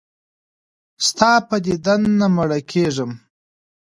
ستا په دیدن نه مړه کېږم.